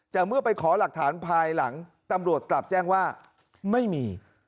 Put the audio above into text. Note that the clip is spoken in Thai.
แต่เมื่อไปขอหลักฐานภายหลังตำรวจกลับแจ้งว่าไม่มี